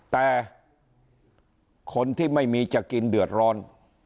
แต่คนที่ไม่มีจะกินเดือดร้อน